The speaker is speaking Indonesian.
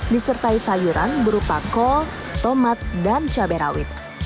disertai sayuran berupa kol tomat dan cabai rawit